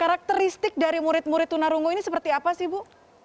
karakteristik dari murid murid tunarungu ini seperti apa sih bu